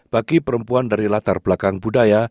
bagi perempuan dari latar belakang budaya